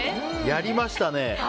やりましたね。